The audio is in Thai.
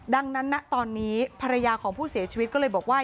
ดังนั้นนะตอนนี้ภรรยาของผู้เสียชีวิตก็เลยบอกว่า